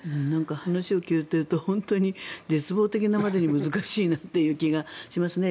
話を聞いていると本当に絶望的なまでに難しいなという気がしますね。